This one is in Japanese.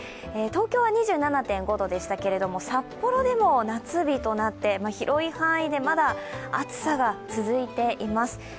東京は２７．５度でしたけど、札幌でも夏日となって、広い範囲で、まだ暑さが続いています。